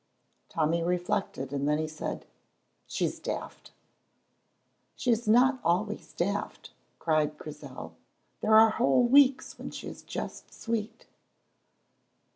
Tommy reflected, and then he said, "She's daft." "She is not always daft," cried Grizel. "There are whole weeks when she is just sweet."